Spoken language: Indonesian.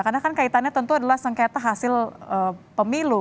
karena kan kaitannya tentu adalah sengketa hasil pemilu